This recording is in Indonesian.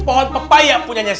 pohon pepayak punya si anis